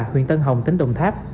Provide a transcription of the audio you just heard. huyện tân hồng tỉnh đồng tháp